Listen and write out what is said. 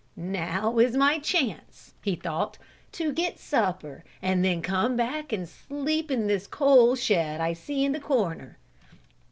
"Now is my chance," he thought, "to get supper and then come back and sleep in this coal shed I see in the corner."